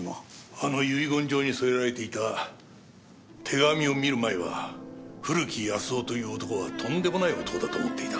あの遺言状に添えられていた手紙を見る前は古木保男という男はとんでもない男だと思っていた。